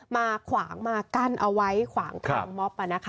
มากั้นเอาไว้ขวางทางมอบมา